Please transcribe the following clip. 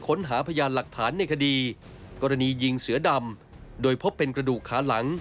ค้นหาพยานหลักฐานในคดีกรณียิงเสือดำโดยพบเป็นกระดูกขาหลัง